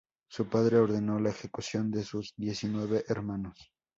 Su padre ordenó la ejecución de sus diecinueve hermanos.